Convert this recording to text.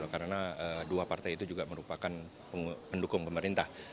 karena dua partai itu juga merupakan pendukung pemerintah